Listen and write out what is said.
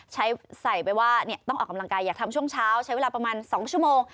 ใส่ไปว่าต้องออกกำลังกายอยากทำช่วงเช้าใช้เวลาประมาณ๒ชั่วโมง